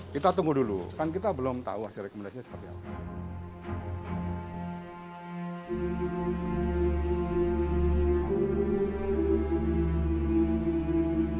kita tunggu dulu kan kita belum tahu hasil rekomendasinya seperti apa